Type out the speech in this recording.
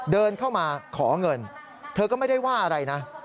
เดินเข้ามาขอเงินเธอก็ไม่ได้ว่าอะไรนะ